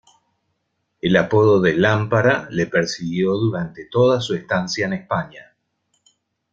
El apodo de "lámpara" le persiguió durante toda su estancia en España.